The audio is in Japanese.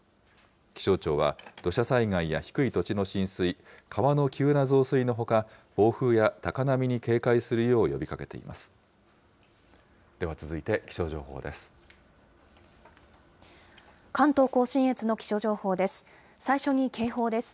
気象庁は、土砂災害や低い土地の浸水、川の急な増水のほか、暴風や高波に警戒するよう呼びかけています。